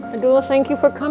aduh terima kasih udah datang